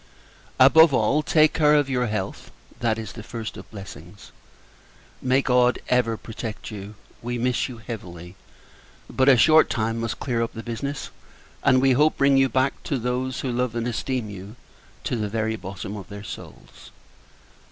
Above all, take care of your health; that is the first of blessings. May God ever protect you! We miss you heavily: but, a short time must clear up the business; and, we hope, bring you back to those who love and esteem you to the very bottom of their souls.